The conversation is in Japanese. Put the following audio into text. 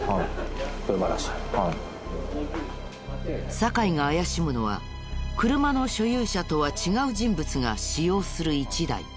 酒井が怪しむのは車の所有者とは違う人物が使用する１台。